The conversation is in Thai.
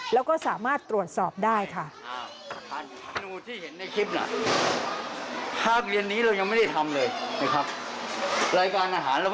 แล้วก็สามารถตรวจสอบได้ค่ะ